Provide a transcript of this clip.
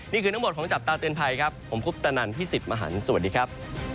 นี่คือทั้งหมดของจับตาเตือนภัยครับผมคุปตนันพี่สิทธิ์มหันฯสวัสดีครับ